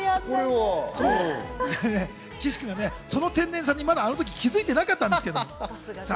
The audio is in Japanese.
岸君がその天然さにあの時まだ気づいてなかったんですけど。